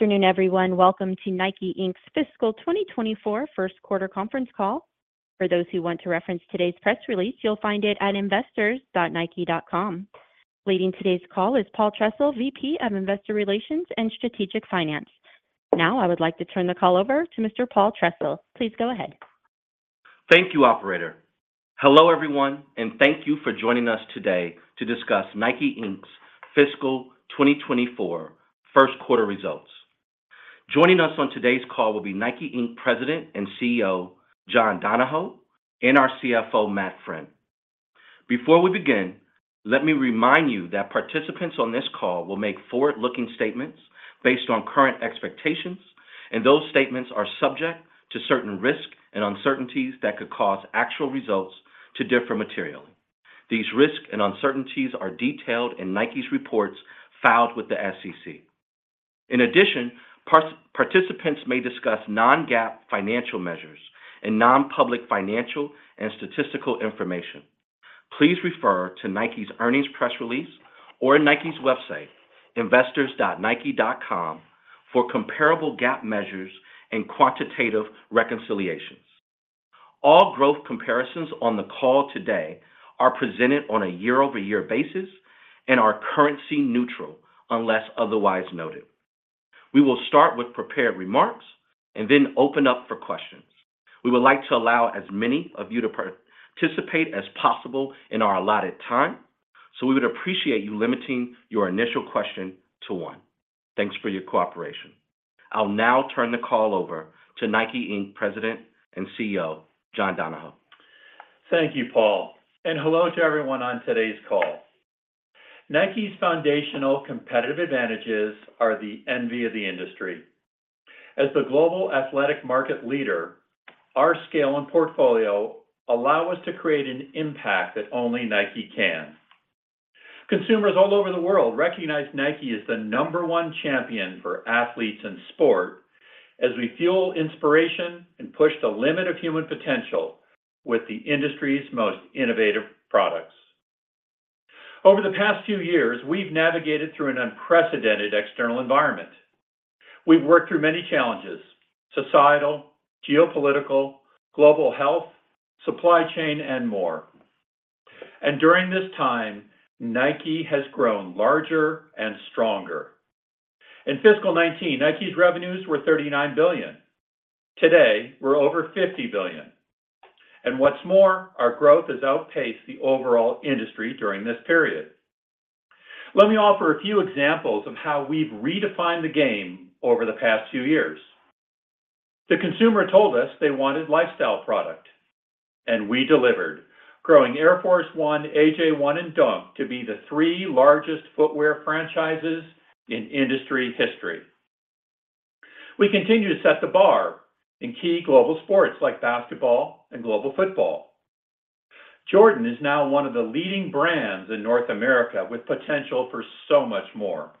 Good afternoon, everyone. Welcome to NIKE, Inc's fiscal 2024 first quarter conference call. For those who want to reference today's press release, you'll find it at investors.nike.com. Leading today's call is Paul Trussell, VP of Investor Relations and Strategic Finance. Now, I would like to turn the call over to Mr. Paul Trussell. Please go ahead. Thank you, operator. Hello, everyone, and thank you for joining us today to discuss NIKE, Inc's fiscal 2024 first quarter results. Joining us on today's call will be NIKE, Inc President and CEO, John Donahoe, and our CFO, Matt Friend. Before we begin, let me remind you that participants on this call will make forward-looking statements based on current expectations, and those statements are subject to certain risks and uncertainties that could cause actual results to differ materially. These risks and uncertainties are detailed in NIKE's reports filed with the SEC. In addition, participants may discuss non-GAAP financial measures and non-public financial and statistical information. Please refer to NIKE's earnings press release or NIKE's website, investors.nike.com, for comparable GAAP measures and quantitative reconciliations. All growth comparisons on the call today are presented on a year-over-year basis and are currency neutral unless otherwise noted. We will start with prepared remarks and then open up for questions. We would like to allow as many of you to participate as possible in our allotted time, so we would appreciate you limiting your initial question to one. Thanks for your cooperation. I'll now turn the call over to NIKE, Inc President and CEO, John Donahoe. Thank you, Paul, and hello to everyone on today's call. NIKE's foundational competitive advantages are the envy of the industry. As the global athletic market leader, our scale and portfolio allow us to create an impact that only NIKE can. Consumers all over the world recognize NIKE as the number one champion for athletes in sport, as we fuel inspiration and push the limit of human potential with the industry's most innovative products. Over the past few years, we've navigated through an unprecedented external environment. We've worked through many challenges: societal, geopolitical, global health, supply chain, and more. During this time, NIKE has grown larger and stronger. In fiscal 2019, NIKE's revenues were $39 billion. Today, we're over $50 billion, and what's more, our growth has outpaced the overall industry during this period. Let me offer a few examples of how we've redefined the game over the past few years. The consumer told us they wanted lifestyle product, and we delivered, growing Air Force 1, AJ1, and Dunk to be the three largest footwear franchises in industry history. We continue to set the bar in key global sports like basketball and global football. Jordan is now one of the leading brands in North America with potential for so much more.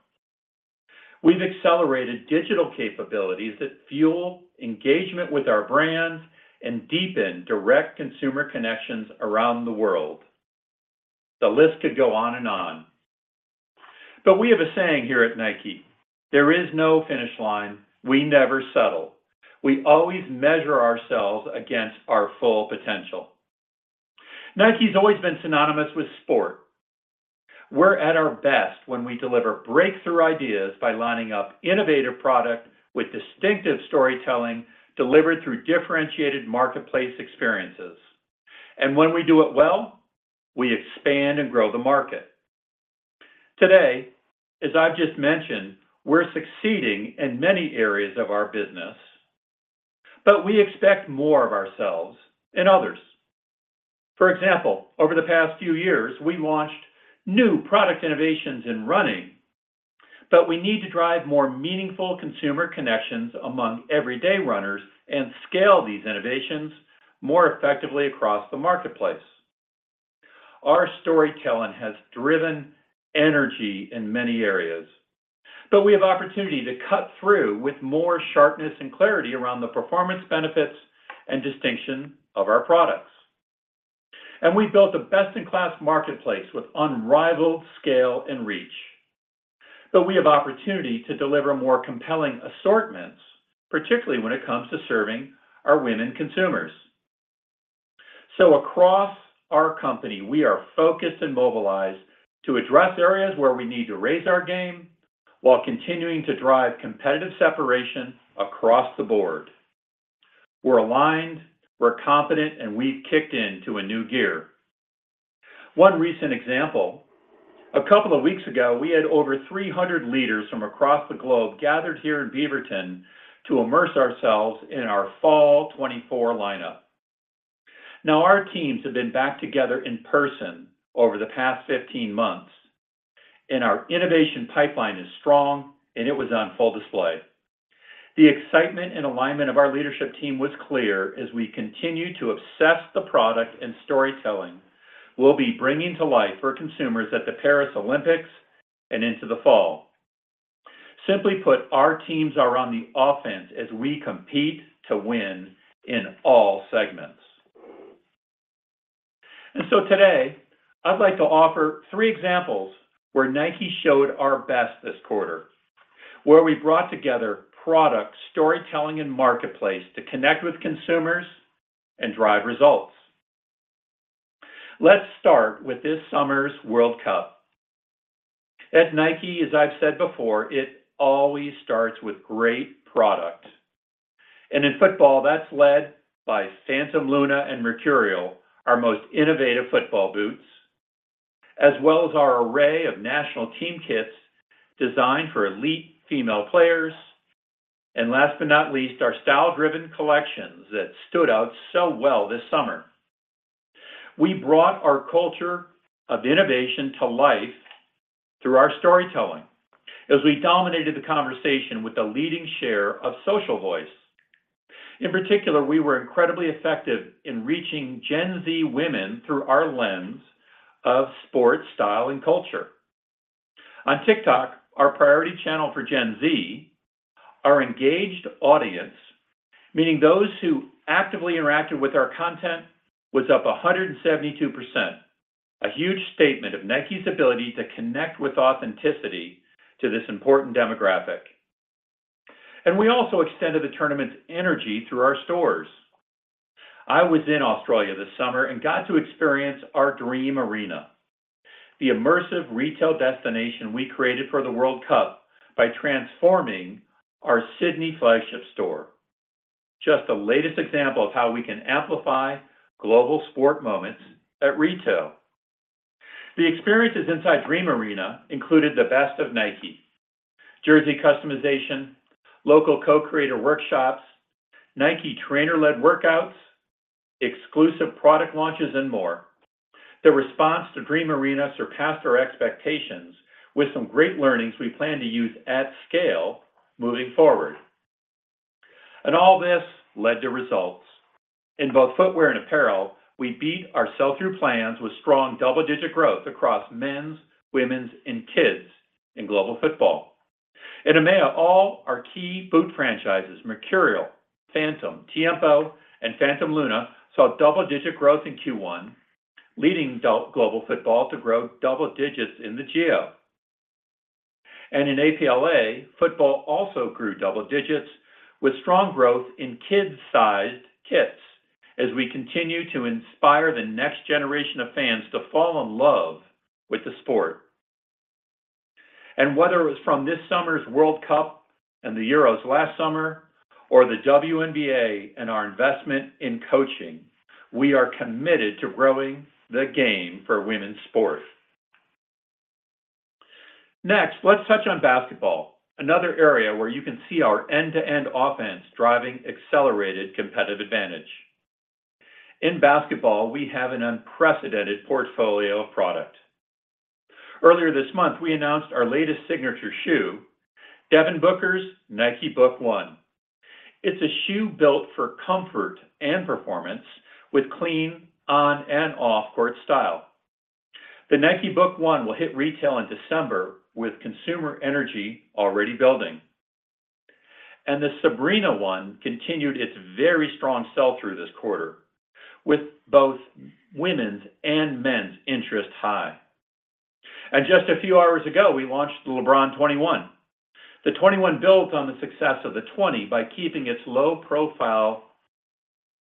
We've accelerated digital capabilities that fuel engagement with our brands and deepen direct consumer connections around the world. The list could go on and on, but we have a saying here at NIKE: "There is no finish line. We never settle." We always measure ourselves against our full potential. NIKE's always been synonymous with sport. We're at our best when we deliver breakthrough ideas by lining up innovative product with distinctive storytelling delivered through differentiated marketplace experiences. When we do it well, we expand and grow the market. Today, as I've just mentioned, we're succeeding in many areas of our business, but we expect more of ourselves and others. For example, over the past few years, we launched new product innovations in running, but we need to drive more meaningful consumer connections among everyday runners and scale these innovations more effectively across the marketplace. Our storytelling has driven energy in many areas, but we have opportunity to cut through with more sharpness and clarity around the performance, benefits, and distinction of our products. We've built a best-in-class marketplace with unrivaled scale and reach. We have opportunity to deliver more compelling assortments, particularly when it comes to serving our women consumers. So across our company, we are focused and mobilized to address areas where we need to raise our game while continuing to drive competitive separation across the board. We're aligned, we're confident, and we've kicked into a new gear. One recent example, a couple of weeks ago, we had over 300 leaders from across the globe gathered here in Beaverton to immerse ourselves in our fall 2024 lineup. Now, our teams have been back together in person over the past 15 months, and our innovation pipeline is strong, and it was on full display. The excitement and alignment of our leadership team was clear as we continue to obsess the product and storytelling we'll be bringing to life for consumers at the Paris Olympics and into the fall. Simply put, our teams are on the offense as we compete to win in all segments. Today, I'd like to offer three examples where NIKE showed our best this quarter, where we brought together product, storytelling, and marketplace to connect with consumers and drive results. Let's start with this summer's World Cup. At NIKE, as I've said before, it always starts with great product, and in football, that's led by Phantom Luna and Mercurial, our most innovative football boots, as well as our array of national team kits designed for elite female players. Last but not least, our style-driven collections that stood out so well this summer. We brought our culture of innovation to life through our storytelling as we dominated the conversation with a leading share of social voice. In particular, we were incredibly effective in reaching Gen Z women through our lens of sports, style, and culture. On TikTok, our priority channel for Gen Z, our engaged audience, meaning those who actively interacted with our content, was up 172%. A huge statement of NIKE's ability to connect with authenticity to this important demographic. We also extended the tournament's energy through our stores. I was in Australia this summer and got to experience our Dream Arena, the immersive retail destination we created for the World Cup by transforming our Sydney flagship store. Just the latest example of how we can amplify global sport moments at retail. The experiences inside Dream Arena included the best of NIKE: jersey customization, local co-creator workshops, NIKE trainer-led workouts, exclusive product launches, and more. The response to Dream Arena surpassed our expectations with some great learnings we plan to use at scale moving forward. All this led to results. In both footwear and apparel, we beat our sell-through plans with strong double-digit growth across men's, women's, and kids in global football. In EMEA, all our key boot franchises, Mercurial, Phantom, Tiempo, and Phantom Luna, saw double-digit growth in Q1, leading global football to grow double digits in the geo. In APLA, football also grew double digits with strong growth in kids sized kits as we continue to inspire the next generation of fans to fall in love with the sport. Whether it was from this summer's World Cup and the Euros last summer, or the WNBA and our investment in coaching, we are committed to growing the game for women's sport. Next, let's touch on basketball, another area where you can see our end-to-end offense driving accelerated competitive advantage. In basketball, we have an unprecedented portfolio of product. Earlier this month, we announced our latest signature shoe, Devin Booker's Nike Book 1. It's a shoe built for comfort and performance with clean on and off court style. The Nike Book 1 will hit retail in December, with consumer energy already building. The Sabrina 1 continued its very strong sell-through this quarter, with both women's and men's interest high. Just a few hours ago, we launched the LeBron 21. The 21 builds on the success of the 20 by keeping its low profile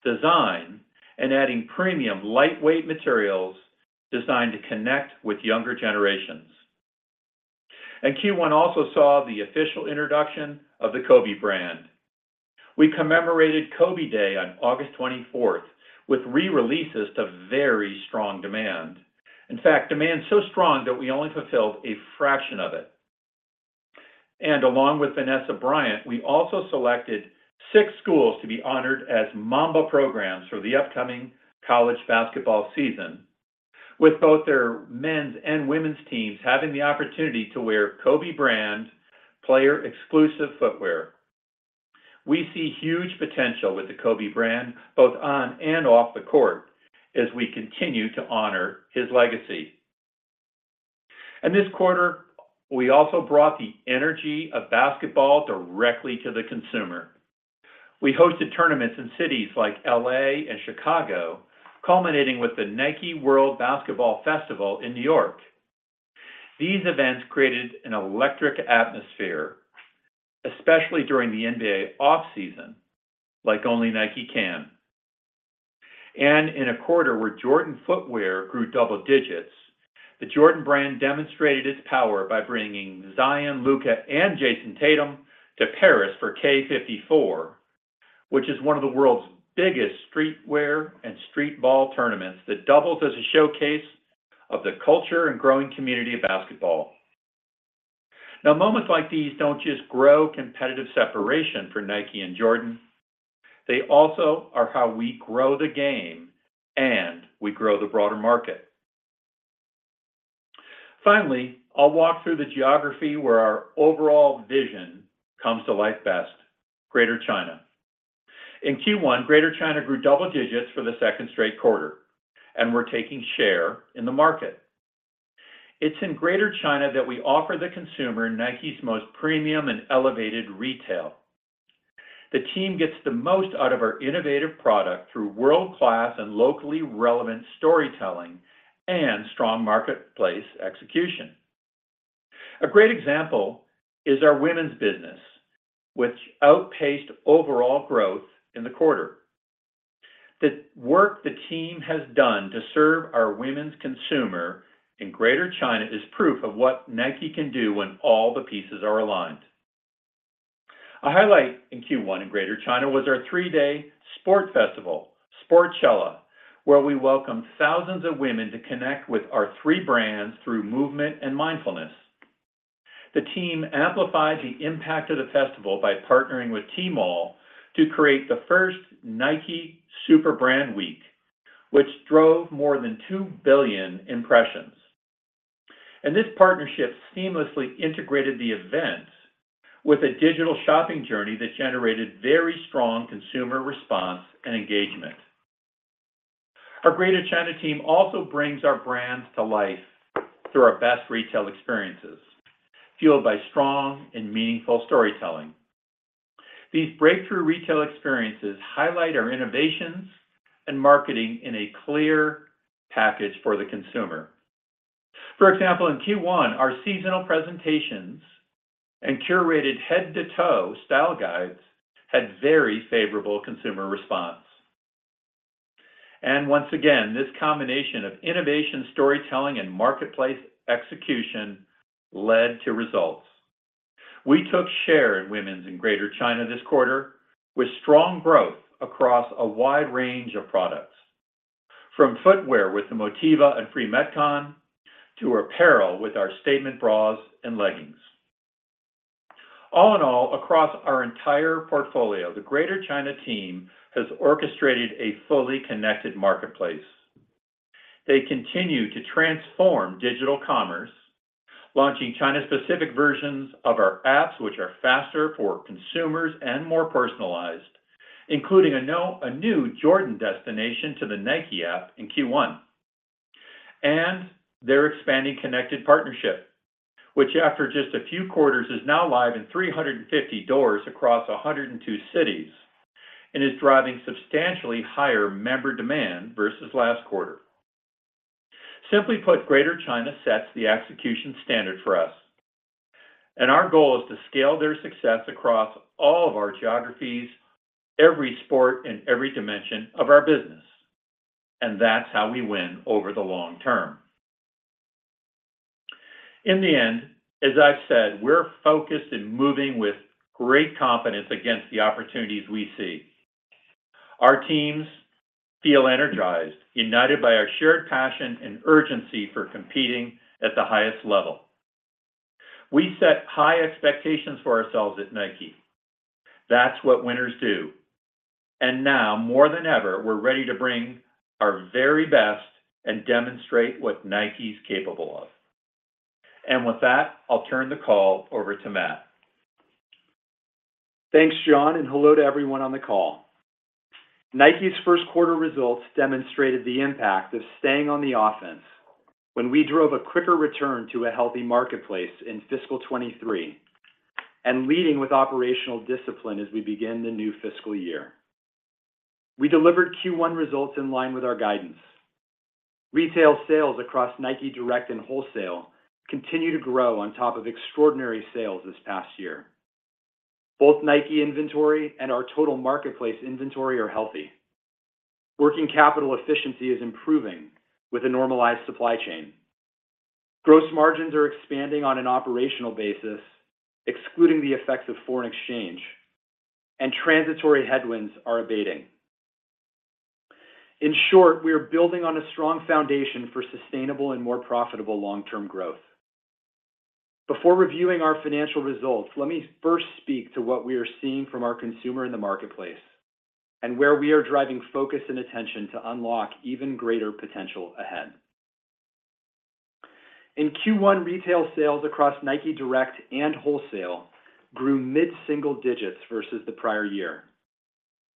design and adding premium lightweight materials designed to connect with younger generations. Q1 also saw the official introduction of the Kobe brand. We commemorated Kobe Day on August 24th with re-releases to very strong demand. In fact, demand so strong that we only fulfilled a fraction of it. Along with Vanessa Bryant, we also selected six schools to be honored as Mamba programs for the upcoming college basketball season, with both their men's and women's teams having the opportunity to wear Kobe brand player exclusive footwear. We see huge potential with the Kobe brand, both on and off the court, as we continue to honor his legacy. In this quarter, we also brought the energy of basketball directly to the consumer. We hosted tournaments in cities like L.A. and Chicago, culminating with the Nike World Basketball Festival in New York. These events created an electric atmosphere, especially during the NBA off-season, like only Nike can. In a quarter where Jordan footwear grew double digits, the Jordan brand demonstrated its power by bringing Zion, Luka, and Jayson Tatum to Paris for K54, which is one of the world's biggest streetwear and streetball tournaments that doubles as a showcase of the culture and growing community of basketball. Now, moments like these don't just grow competitive separation for Nike and Jordan. They also are how we grow the game and we grow the broader market. Finally, I'll walk through the geography where our overall vision comes to life best, Greater China. In Q1, Greater China grew double digits for the second straight quarter, and we're taking share in the market. It's in Greater China that we offer the consumer NIKE's most premium and elevated retail. The team gets the most out of our innovative product through world-class and locally relevant storytelling and strong marketplace execution. A great example is our women's business, which outpaced overall growth in the quarter. The work the team has done to serve our women's consumer in Greater China is proof of what NIKE can do when all the pieces are aligned. A highlight in Q1 in Greater China was our three-day sport festival, Sportchella, where we welcomed thousands of women to connect with our three brands through movement and mindfulness. The team amplified the impact of the festival by partnering with Tmall to create the first Nike Super Brand Week, which drove more than two billion impressions. This partnership seamlessly integrated the event with a digital shopping journey that generated very strong consumer response and engagement. Our Greater China team also brings our brands to life through our best retail experiences, fueled by strong and meaningful storytelling. These breakthrough retail experiences highlight our innovations and marketing in a clear package for the consumer. For example, in Q1, our seasonal presentations and curated head-to-toe style guides had very favorable consumer response. Once again, this combination of innovation, storytelling, and marketplace execution led to results. We took share in women's in Greater China this quarter, with strong growth across a wide range of products, from footwear with the Motiva and Free Metcon, to apparel with our statement bras and leggings. All in all, across our entire portfolio, the Greater China team has orchestrated a fully connected marketplace. They continue to transform digital commerce, launching China-specific versions of our apps, which are faster for consumers and more personalized, including a new Jordan destination to the Nike app in Q1. They're expanding connected partnership, which, after just a few quarters, is now live in 350 stores across 102 cities and is driving substantially higher member demand versus last quarter. Simply put, Greater China sets the execution standard for us, and our goal is to scale their success across all of our geographies, every sport and every dimension of our business. That's how we win over the long term. In the end, as I've said, we're focused and moving with great confidence against the opportunities we see. Our teams feel energized, united by our shared passion and urgency for competing at the highest level. We set high expectations for ourselves at NIKE. That's what winners do, and now, more than ever, we're ready to bring our very best and demonstrate what NIKE's capable of. With that, I'll turn the call over to Matt. Thanks, John, and hello to everyone on the call. NIKE's first quarter results demonstrated the impact of staying on the offense when we drove a quicker return to a healthy marketplace in fiscal 2023 and leading with operational discipline as we begin the new fiscal year. We delivered Q1 results in line with our guidance. Retail sales Nike Direct and wholesale continue to grow on top of extraordinary sales this past year. Both NIKE inventory and our total marketplace inventory are healthy. Working capital efficiency is improving with a normalized supply chain. Gross margins are expanding on an operational basis, excluding the effects of foreign exchange, and transitory headwinds are abating. In short, we are building on a strong foundation for sustainable and more profitable long-term growth. Before reviewing our financial results, let me first speak to what we are seeing from our consumer in the marketplace and where we are driving focus and attention to unlock even greater potential ahead. In Q1, retail sales Nike Direct and wholesale grew mid-single digits versus the prior year.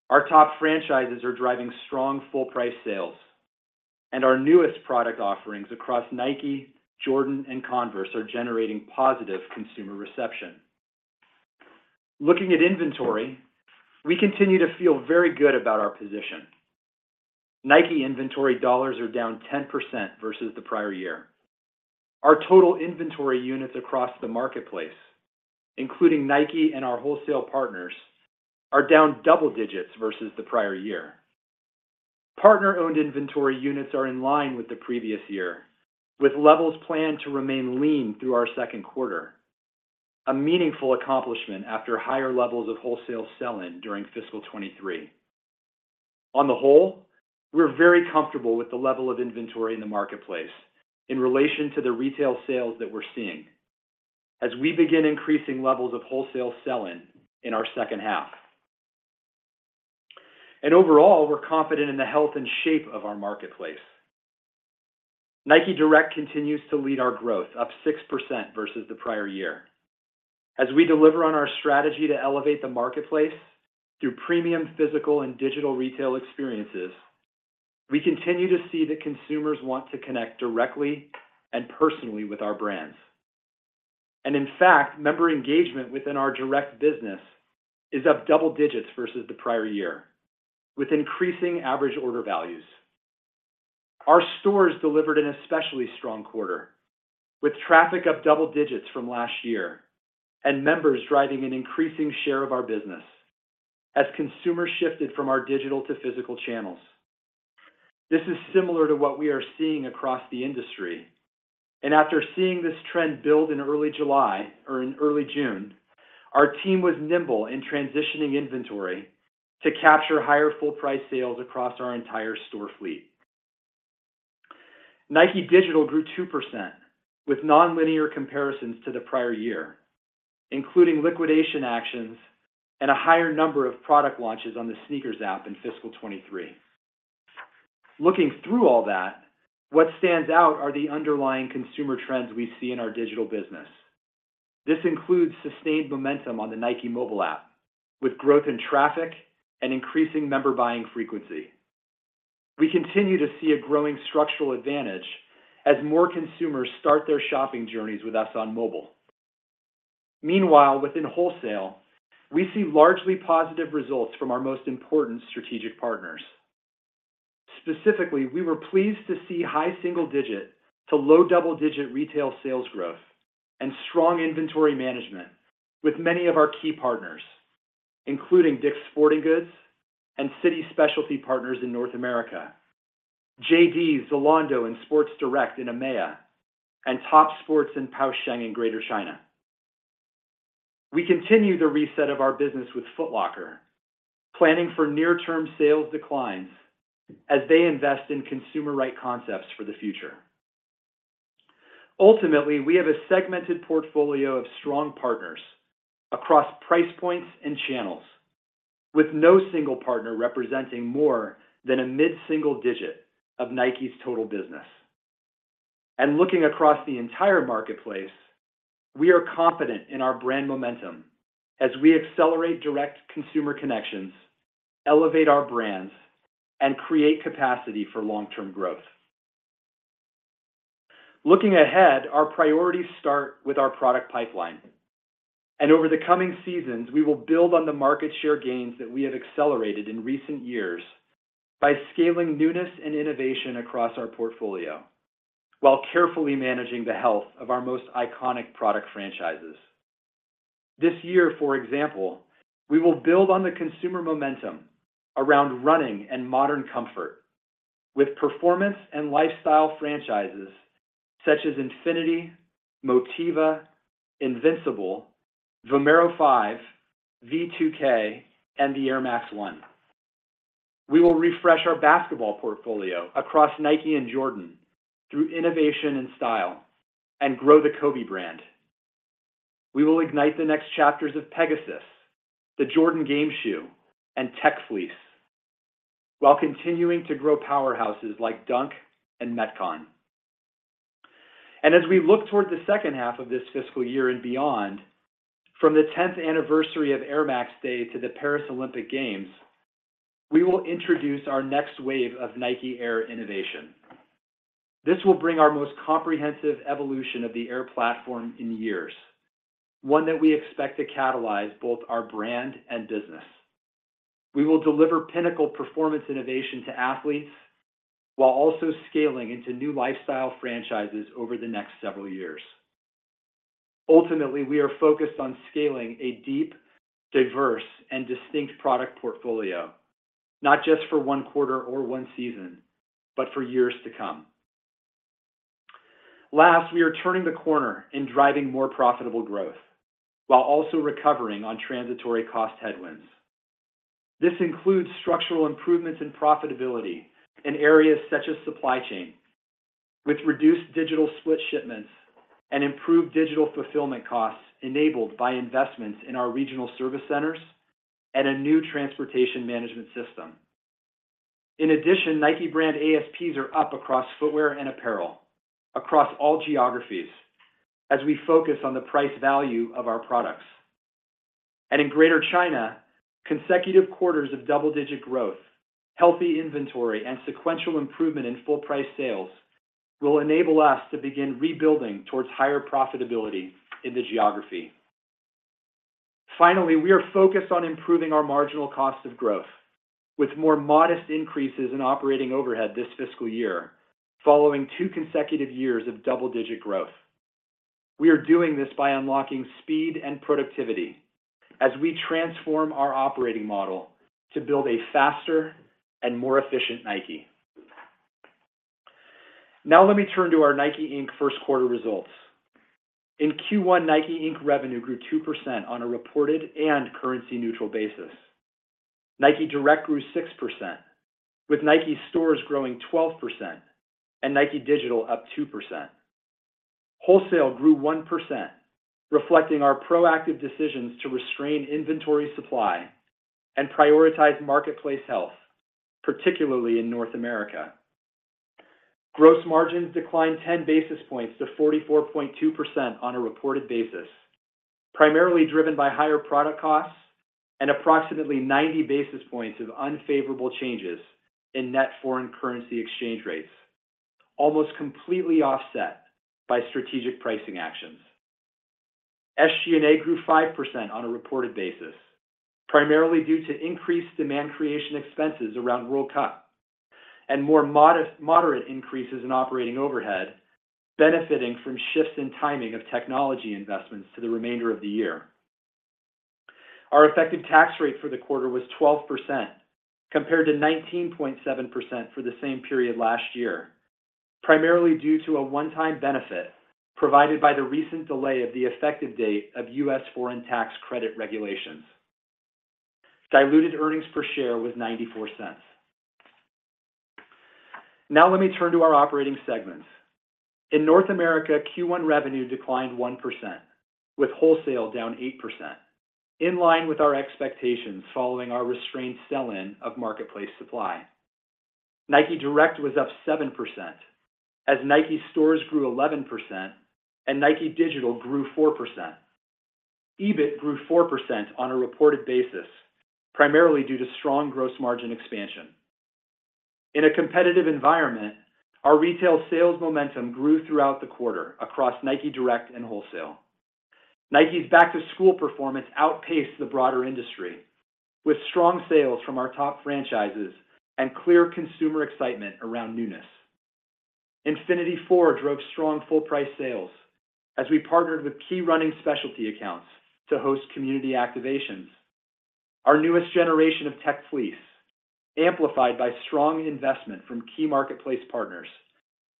Our top franchises are driving strong full price sales, and our newest product offerings across Nike, Jordan, and Converse are generating positive consumer reception. Looking at inventory, we continue to feel very good about our position. NIKE inventory dollars are down 10% versus the prior year. Our total inventory units across the marketplace, including NIKE and our wholesale partners, are down double digits versus the prior year. Partner-owned inventory units are in line with the previous year, with levels planned to remain lean through our second quarter, a meaningful accomplishment after higher levels of wholesale sell-in during fiscal 2023. On the whole, we're very comfortable with the level of inventory in the marketplace in relation to the retail sales that we're seeing as we begin increasing levels of wholesale sell-in in our second half. Overall, we're confident in the health and shape of our Nike Direct continues to lead our growth, up 6% versus the prior year. As we deliver on our strategy to elevate the marketplace through premium physical and digital retail experiences, we continue to see that consumers want to connect directly and personally with our brands. In fact, member engagement within our direct business is up double digits versus the prior year, with increasing average order values. Our stores delivered an especially strong quarter, with traffic up double digits from last year, and members driving an increasing share of our business as consumers shifted from our digital to physical channels. This is similar to what we are seeing across the industry, and after seeing this trend build in early July or in early June, our team was nimble in transitioning inventory to capture higher full price sales across our entire store fleet. Nike Digital grew 2%, with nonlinear comparisons to the prior year, including liquidation actions and a higher number of product launches on the SNKRS app in fiscal 2023. Looking through all that, what stands out are the underlying consumer trends we see in our digital business. This includes sustained momentum on the Nike mobile app, with growth in traffic and increasing member buying frequency. We continue to see a growing structural advantage as more consumers start their shopping journeys with us on mobile. Meanwhile, within wholesale, we see largely positive results from our most important strategic partners. Specifically, we were pleased to see high single digit to low double-digit retail sales growth and strong inventory management with many of our key partners, including Dick's Sporting Goods and City Specialty Partners in North America, JD, Zalando, and Sports Direct in EMEA, and Topsports and Pou Sheng in Greater China. We continue the reset of our business with Foot Locker, planning for near-term sales declines as they invest in consumer right concepts for the future. Ultimately, we have a segmented portfolio of strong partners across price points and channels, with no single partner representing more than a mid-single digit of NIKE's total business. And looking across the entire marketplace, we are confident in our brand momentum as we accelerate direct consumer connections, elevate our brands, and create capacity for long-term growth. Looking ahead, our priorities start with our product pipeline, and over the coming seasons, we will build on the market share gains that we have accelerated in recent years by scaling newness and innovation across our portfolio, while carefully managing the health of our most iconic product franchises. This year, for example, we will build on the consumer momentum around running and modern comfort with performance and lifestyle franchises such as Infinity, Motiva, Invincible, Vomero 5, V2K, and the Air Max 1. We will refresh our basketball portfolio across Nike and Jordan through innovation and style and grow the Kobe brand. We will ignite the next chapters of Pegasus, the Jordan game shoe, and Tech Fleece, while continuing to grow powerhouses like Dunk and Metcon. As we look toward the second half of this fiscal year and beyond, from the 10th anniversary of Air Max Day to the Paris Olympic Games, we will introduce our next wave of Nike Air innovation. This will bring our most comprehensive evolution of the Air platform in years, one that we expect to catalyze both our brand and business. We will deliver pinnacle performance innovation to athletes while also scaling into new lifestyle franchises over the next several years. Ultimately, we are focused on scaling a deep, diverse, and distinct product portfolio, not just for one quarter or one season, but for years to come. Last, we are turning the corner in driving more profitable growth, while also recovering on transitory cost headwinds. This includes structural improvements in profitability in areas such as supply chain, with reduced digital split shipments and improved digital fulfillment costs enabled by investments in our regional service centers and a new transportation management system. In addition, NIKE brand ASPs are up across footwear and apparel across all geographies as we focus on the price value of our products. In Greater China, consecutive quarters of double-digit growth, healthy inventory, and sequential improvement in full price sales will enable us to begin rebuilding towards higher profitability in the geography. Finally, we are focused on improving our marginal cost of growth with more modest increases in operating overhead this fiscal year, following two consecutive years of double-digit growth. We are doing this by unlocking speed and productivity as we transform our operating model to build a faster and more efficient Nike. Now let me turn to our NIKE, Inc. First quarter results. In Q1, NIKE, Inc revenue grew 2% on a reported and currency-neutral Nike Direct grew 6%, with Nike stores growing 12% and Nike Digital up 2%. Wholesale grew 1%, reflecting our proactive decisions to restrain inventory supply and prioritize marketplace health, particularly in North America. Gross margins declined 10 basis points to 44.2% on a reported basis, primarily driven by higher product costs and approximately 90 basis points of unfavorable changes in net foreign currency exchange rates, almost completely offset by strategic pricing actions. SG&A grew 5% on a reported basis, primarily due to increased demand creation expenses around World Cup and more modest, moderate increases in operating overhead, benefiting from shifts in timing of technology investments to the remainder of the year. Our effective tax rate for the quarter was 12%, compared to 19.7% for the same period last year, primarily due to a one-time benefit provided by the recent delay of the effective date of U.S. foreign tax credit regulations. Diluted earnings per share was $0.94. Now let me turn to our operating segments. In North America, Q1 revenue declined 1%, with wholesale down 8%, in line with our expectations following our restrained sell-in of marketplace Nike Direct was up 7%, as Nike stores grew 11% and Nike Digital grew 4%. EBIT grew 4% on a reported basis, primarily due to strong gross margin expansion. In a competitive environment, our retail sales momentum grew throughout the quarter Nike Direct and Wholesale. Nike's back-to-school performance outpaced the broader industry, with strong sales from our top franchises and clear consumer excitement around newness. Infinity 4 drove strong full price sales as we partnered with key running specialty accounts to host community activations. Our newest generation of Tech Fleece, amplified by strong investment from key marketplace partners,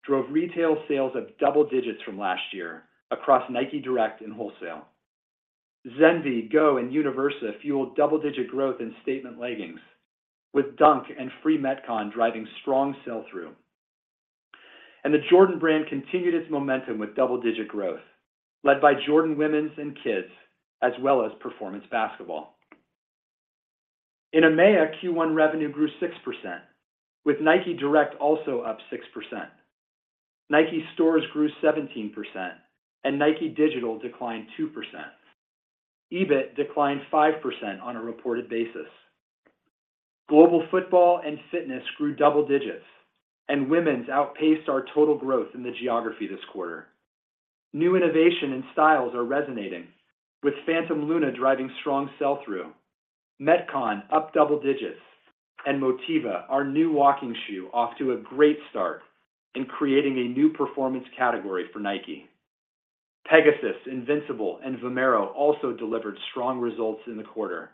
drove retail sales of double digits from last year Nike Direct and wholesale. Zenvy, Go, and Universal fueled double-digit growth in statement leggings, with Dunk and Free Metcon driving strong sell-through. The Jordan brand continued its momentum with double-digit growth, led by Jordan women's and kids, as well as performance basketball. In EMEA, Q1 revenue grew 6%, Nike Direct also up 6%. Nike stores grew 17% and Nike Digital declined 2%. EBIT declined 5% on a reported basis. Global football and fitness grew double digits, and women's outpaced our total growth in the geography this quarter. New innovation and styles are resonating, with Phantom Luna driving strong sell-through, Metcon up double digits, and Motiva, our new walking shoe, off to a great start in creating a new performance category for Nike. Pegasus, Invincible, and Vomero also delivered strong results in the quarter.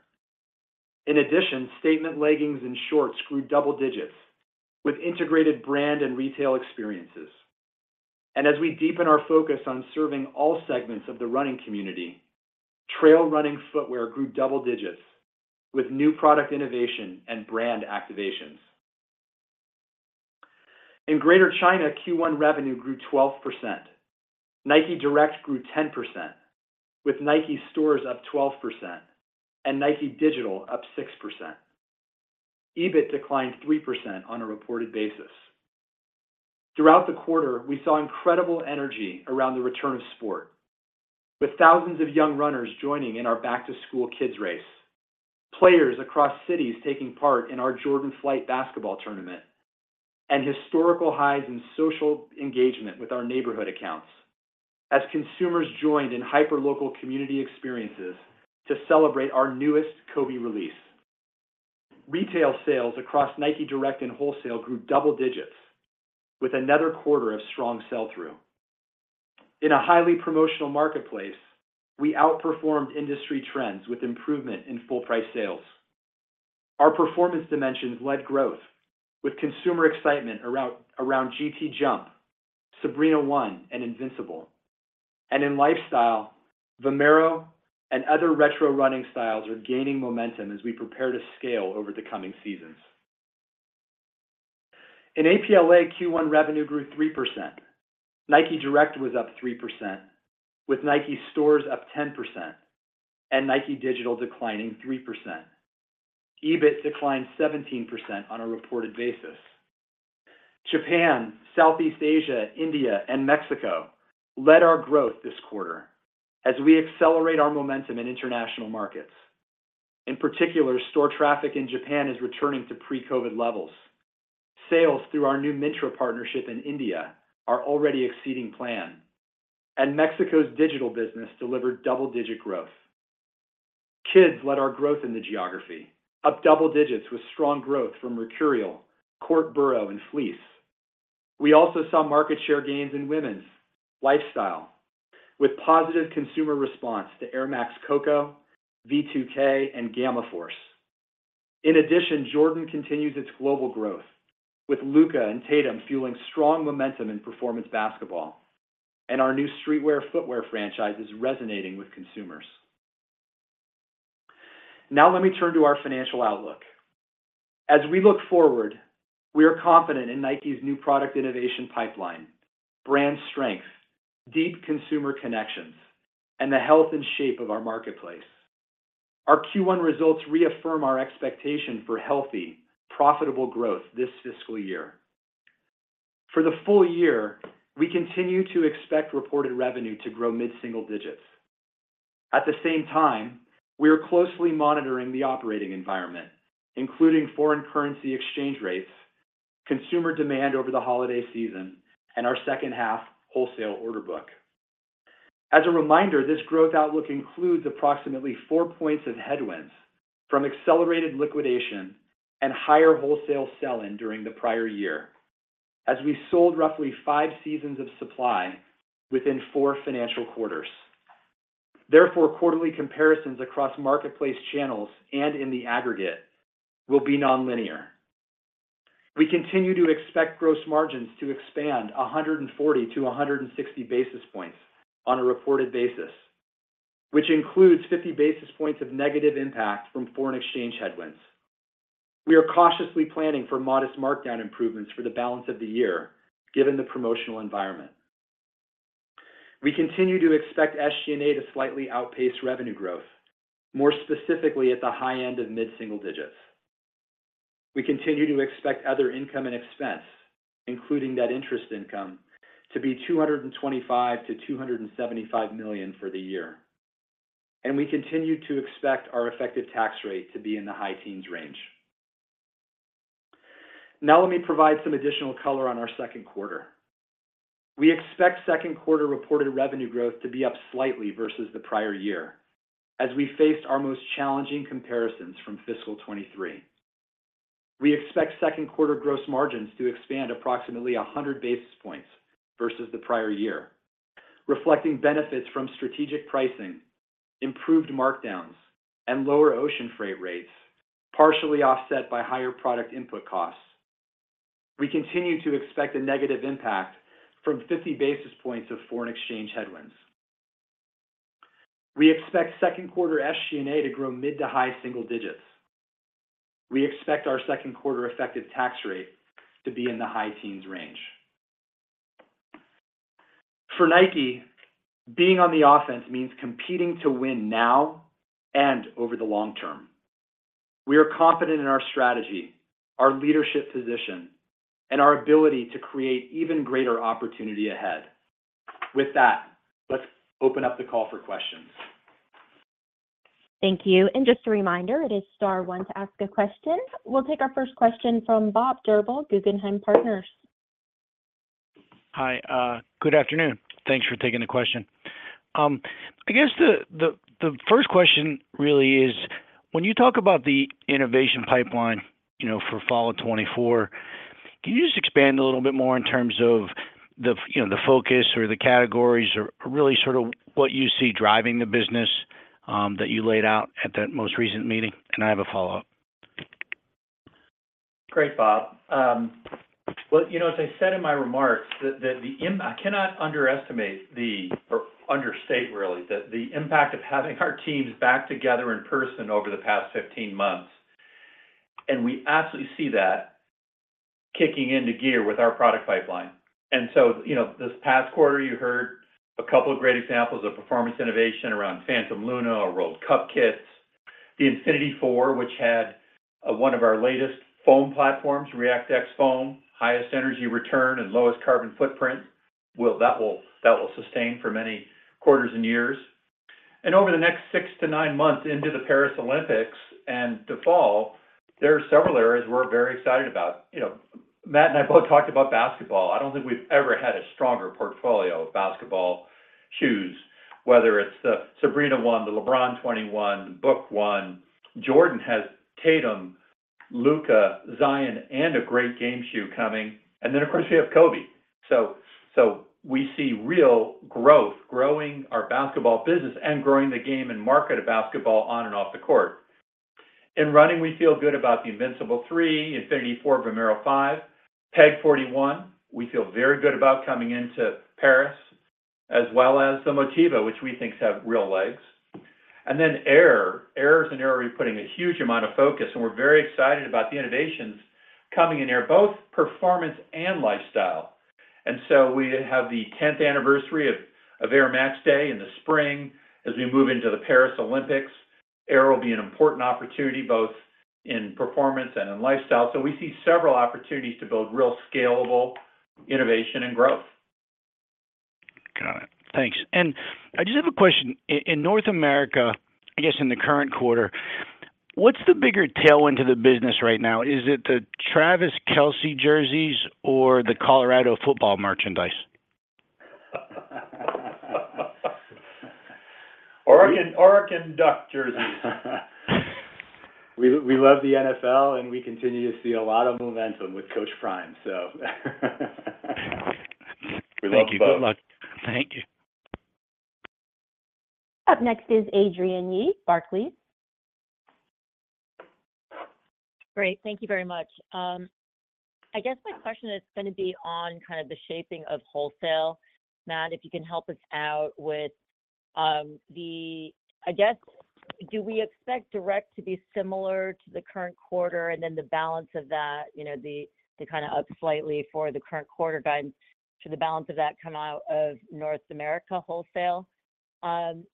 In addition, statement leggings and shorts grew double digits with integrated brand and retail experiences. As we deepen our focus on serving all segments of the running community, trail running footwear grew double digits, with new product innovation and brand activations. In Greater China, Q1 revenue grew Nike Direct grew 10%, with Nike stores up 12% and Nike Digital up 6%. EBIT declined 3% on a reported basis. Throughout the quarter, we saw incredible energy around the return of sport, with thousands of young runners joining in our Back to School Kids race, players across cities taking part in our Jordan Flight basketball tournament, and historical highs in social engagement with our neighborhood accounts as consumers joined in hyper local community experiences to celebrate our newest Kobe release. Retail sales Nike Direct and Wholesale grew double digits, with another quarter of strong sell-through. In a highly promotional marketplace, we outperformed industry trends with improvement in full price sales. Our performance dimensions led growth, with consumer excitement around GT Jump, Sabrina 1, and Invincible. And in lifestyle, Vomero and other retro running styles are gaining momentum as we prepare to scale over the coming seasons. In APLA, Q1 revenue grew 3%. Nike Direct was up 3%, with Nike stores up 10% and Nike Digital declining 3%. EBIT declined 17% on a reported basis. Japan, Southeast Asia, India, and Mexico led our growth this quarter as we accelerate our momentum in international markets. In particular, store traffic in Japan is returning to pre-COVID levels. Sales through our new Myntra partnership in India are already exceeding plan, and Mexico's digital business delivered double-digit growth. Kids led our growth in the geography, up double digits with strong growth from Mercurial, Court Borough, and Fleece. We also saw market share gains in women's, lifestyle, with positive consumer response to Air Max Koko, V2K, and Gamma Force. In addition, Jordan continues its global growth, with Luka and Tatum fueling strong momentum in performance basketball, and our new streetwear footwear franchise is resonating with consumers. Now let me turn to our financial outlook. As we look forward, we are confident in NIKE's new product innovation pipeline, brand strength, deep consumer connections, and the health and shape of our marketplace. Our Q1 results reaffirm our expectation for healthy, profitable growth this fiscal year. For the full year, we continue to expect reported revenue to grow mid-single digits. At the same time, we are closely monitoring the operating environment, including foreign currency exchange rates, consumer demand over the holiday season, and our second half wholesale order book. As a reminder, this growth outlook includes approximately four points of headwinds from accelerated liquidation and higher wholesale sell-in during the prior year, as we sold roughly five seasons of supply within four financial quarters. Therefore, quarterly comparisons across marketplace channels and in the aggregate will be nonlinear. We continue to expect gross margins to expand 140-160 basis points on a reported basis, which includes 50 basis points of negative impact from foreign exchange headwinds. We are cautiously planning for modest markdown improvements for the balance of the year, given the promotional environment. We continue to expect SG&A to slightly outpace revenue growth, more specifically at the high end of mid-single digits. We continue to expect other income and expense, including net interest income, to be $225 million-$275 million for the year, and we continue to expect our effective tax rate to be in the high teens range. Now, let me provide some additional color on our second quarter. We expect second quarter reported revenue growth to be up slightly versus the prior year, as we faced our most challenging comparisons from fiscal 2023. We expect second quarter gross margins to expand approximately 100 basis points versus the prior year, reflecting benefits from strategic pricing, improved markdowns, and lower ocean freight rates, partially offset by higher product input costs. We continue to expect a negative impact from 50 basis points of foreign exchange headwinds. We expect second quarter SG&A to grow mid- to high-single digits. We expect our second quarter effective tax rate to be in the high-teens range. For NIKE, being on the offense means competing to win now and over the long term. We are confident in our strategy, our leadership position, and our ability to create even greater opportunity ahead. With that, let's open up the call for questions. Thank you. Just a reminder, it is star one to ask a question. We'll take our first question from Bob Drbul, Guggenheim Partners. Hi, good afternoon. Thanks for taking the question. I guess the first question really is, when you talk about the innovation pipeline, you know, for fall of 2024, can you just expand a little bit more in terms of the, you know, the focus or the categories or really sort of what you see driving the business, that you laid out at that most recent meeting? And I have a follow-up. Great, Bob. Well, you know, as I said in my remarks that I cannot underestimate, or understate really, the impact of having our teams back together in person over the past 15 months. And we absolutely see that kicking into gear with our product pipeline. And so, you know, this past quarter, you heard a couple of great examples of performance innovation around Phantom Luna, our World Cup kits, the Infinity 4, which had one of our latest foam platforms, ReactX foam, highest energy return and lowest carbon footprint. Well, that will sustain for many quarters and years. And over the next six to nine months into the Paris Olympics and the fall, there are several areas we're very excited about. You know, Matt and I both talked about basketball. I don't think we've ever had a stronger portfolio of basketball shoes, whether it's the Sabrina 1, the LeBron 21, Book 1. Jordan has Tatum, Luka, Zion, and a great game shoe coming. And then, of course, we have Kobe. So we see real growth, growing our basketball business and growing the game and market of basketball on and off the court. In running, we feel good about the Invincible 3, Infinity 4, Vomero 5, Pegasus 41. We feel very good about coming into Paris, as well as the Motiva, which we think have real legs. And then Air. Air is an area we're putting a huge amount of focus, and we're very excited about the innovations coming in Air, both performance and lifestyle. And so we have the tenth anniversary of Air Max Day in the spring. As we move into the Paris Olympics, Air will be an important opportunity, both in performance and in lifestyle. We see several opportunities to build real scalable innovation and growth. Got it. Thanks. I just have a question. In North America, I guess, in the current quarter, what's the bigger tailwind to the business right now? Is it the Travis Kelce jerseys or the Colorado football merchandise? Oregon Ducks jerseys. We love the NFL, and we continue to see a lot of momentum with Coach Prime, so we love them both. Thank you. Good luck. Thank you. Up next is Adrienne Yih, Barclays. Great. Thank you very much. I guess my question is gonna be on kind of the shaping of wholesale. Matt, if you can help us out with, the... I guess, do we expect direct to be similar to the current quarter, and then the balance of that, you know, the, to kind of up slightly for the current quarter guide to the balance of that come out of North America wholesale? And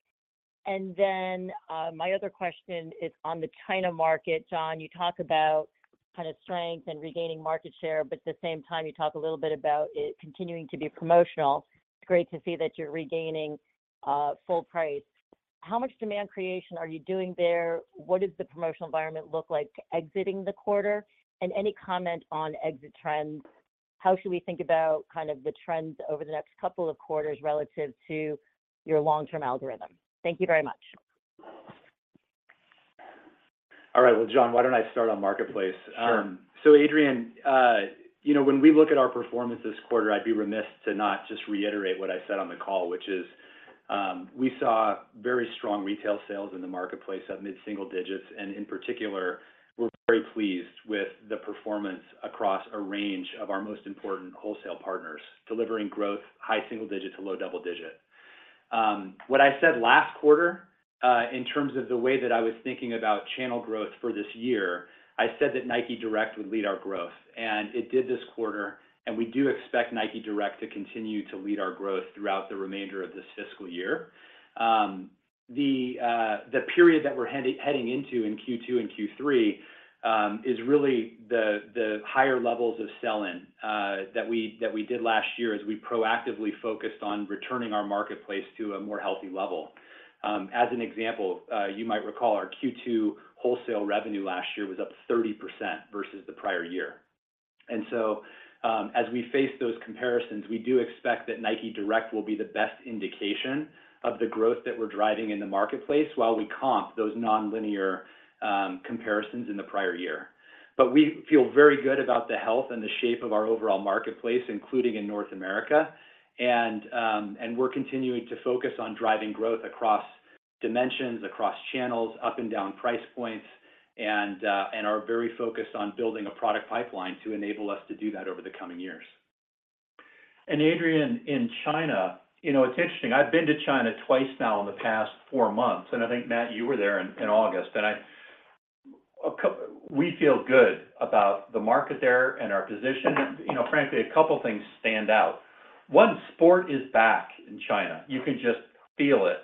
then, my other question is on the China market. John, you talk about kind of strength and regaining market share, but at the same time, you talk a little bit about it continuing to be promotional. It's great to see that you're regaining, full price. How much demand creation are you doing there? What does the promotional environment look like exiting the quarter? And any comment on exit trends? How should we think about kind of the trends over the next couple of quarters relative to your long-term algorithm? Thank you very much. All right. Well, John, why don't I start on marketplace? Sure. So Adrienne, you know, when we look at our performance this quarter, I'd be remiss to not just reiterate what I said on the call, which is, we saw very strong retail sales in the marketplace at mid-single digits, and in particular, we're very pleased with the performance across a range of our most important wholesale partners, delivering growth, high-single-digit to low-double-digit. What I said last quarter, in terms of the way that I was thinking about channel growth for this year, I said Nike Direct would lead our growth, and it did this quarter, and we do Nike Direct to continue to lead our growth throughout the remainder of this fiscal year. The period that we're heading into in Q2 and Q3 is really the higher levels of sell-in that we did last year as we proactively focused on returning our marketplace to a more healthy level. As an example, you might recall our Q2 wholesale revenue last year was up 30% versus the prior year. So, as we face those comparisons, we do expect Nike Direct will be the best indication of the growth that we're driving in the marketplace while we comp those nonlinear comparisons in the prior year. But we feel very good about the health and the shape of our overall marketplace, including in North America. We're continuing to focus on driving growth across dimensions, across channels, up and down price points, and are very focused on building a product pipeline to enable us to do that over the coming years. Adrienne, in China, you know, it's interesting. I've been to China twice now in the past four months, and I think, Matt, you were there in August, and we feel good about the market there and our position. You know, frankly, a couple things stand out. One, sport is back in China. You can just feel it.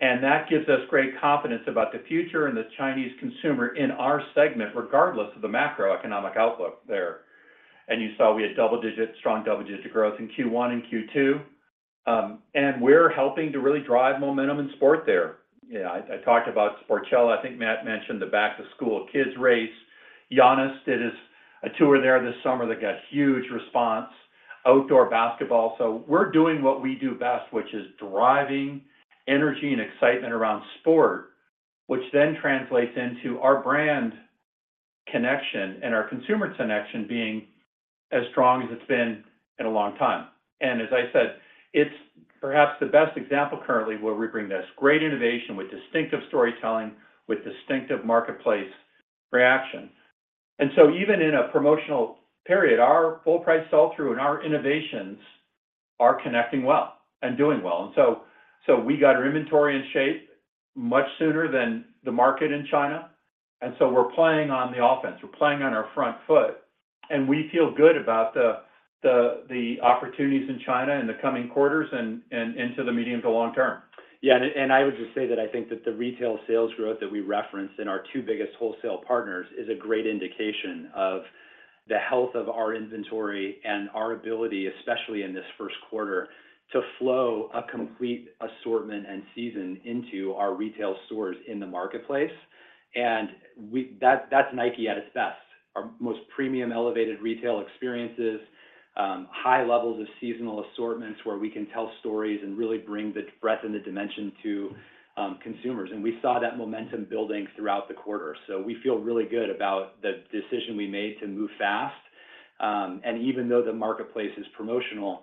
And that gives us great confidence about the future and the Chinese consumer in our segment, regardless of the macroeconomic outlook there. And you saw we had double-digit, strong double-digit growth in Q1 and Q2. And we're helping to really drive momentum in sport there. Yeah, I talked about Sportchella. I think Matt mentioned the Back to School Kids race. Giannis did his tour there this summer that got huge response. Outdoor basketball. So we're doing what we do best, which is driving energy and excitement around sport, which then translates into our brand connection and our consumer connection being as strong as it's been in a long time. And as I said, it's perhaps the best example currently, where we bring this great innovation with distinctive storytelling, with distinctive marketplace reaction. And so even in a promotional period, our full price sell-through and our innovations are connecting well and doing well. And so we got our inventory in shape much sooner than the market in China, and so we're playing on the offense. We're playing on our front foot, and we feel good about the opportunities in China in the coming quarters and into the medium to long term. Yeah, and, and I would just say that I think that the retail sales growth that we referenced in our two biggest wholesale partners is a great indication of the health of our inventory and our ability, especially in this first quarter, to flow a complete assortment and season into our retail stores in the marketplace. And we, that, that's Nike at its best. Our most premium elevated retail experiences, high levels of seasonal assortments, where we can tell stories and really bring the breadth and the dimension to consumers. And we saw that momentum building throughout the quarter. So we feel really good about the decision we made to move fast. And even though the marketplace is promotional,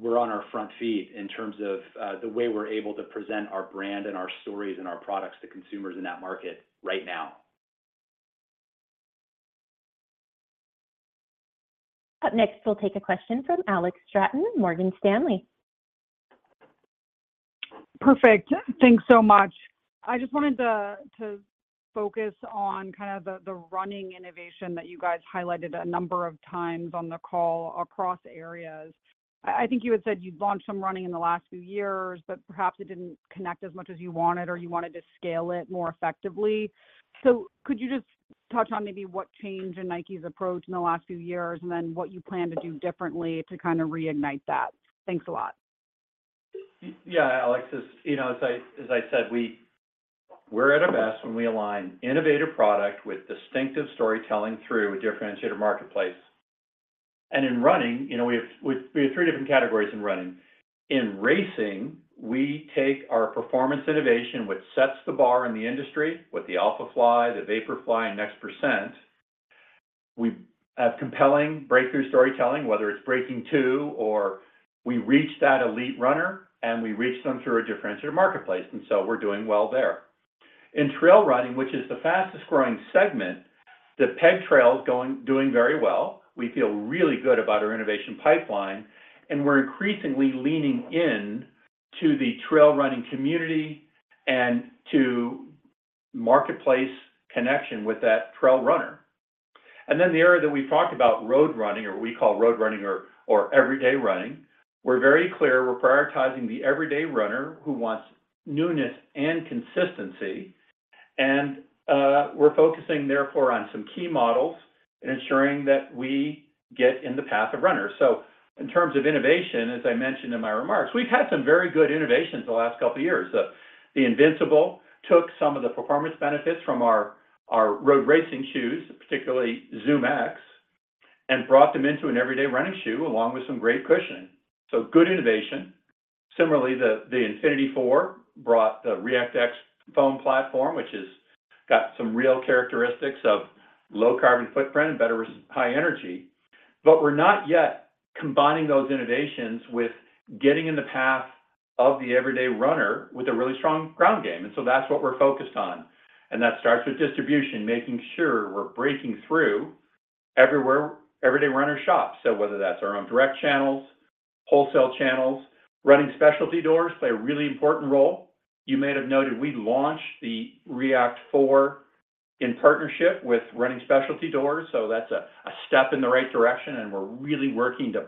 we're on our front feet in terms of the way we're able to present our brand and our stories and our products to consumers in that market right now. Up next, we'll take a question from Alex Straton, Morgan Stanley. Perfect. Thanks so much. I just wanted to focus on kind of the running innovation that you guys highlighted a number of times on the call across areas. I think you had said you'd launched some running in the last few years, but perhaps it didn't connect as much as you wanted or you wanted to scale it more effectively. So could you just touch on maybe what changed in NIKE's approach in the last few years, and then what you plan to do differently to kind of reignite that? Thanks a lot. Yeah, Alex, as you know, as I said, we're at our best when we align innovative product with distinctive storytelling through a differentiated marketplace. And in running, you know, we have three different categories in running. In racing, we take our performance innovation, which sets the bar in the industry with the Alpha Fly, the Vaporfly, and Next Percent. We have compelling breakthrough storytelling, whether it's Breaking2 or we reach that elite runner, and we reach them through a differentiated marketplace, and so we're doing well there. In trail running, which is the fastest growing segment, the Peg Trail is doing very well. We feel really good about our innovation pipeline, and we're increasingly leaning in to the trail running community and to marketplace connection with that trail runner. And then the area that we've talked about, road running or what we call road running or everyday running, we're very clear we're prioritizing the everyday runner who wants newness and consistency, and we're focusing therefore on some key models and ensuring that we get in the path of runners. So in terms of innovation, as I mentioned in my remarks, we've had some very good innovations the last couple of years. The Invincible took some of the performance benefits from our road racing shoes, particularly ZoomX, and brought them into an everyday running shoe, along with some great cushioning. So good innovation. Similarly, the Infinity 4 brought the ReactX foam platform, which has got some real characteristics of low carbon footprint and better high energy. But we're not yet combining those innovations with getting in the path of the everyday runner with a really strong ground game. And so that's what we're focused on, and that starts with distribution, making sure we're breaking through everywhere everyday runners shop. So whether that's our own direct channels, wholesale channels. Running Specialty stores play a really important role. You may have noted we launched the React 4 in partnership with Running Specialty stores, so that's a step in the right direction, and we're really working to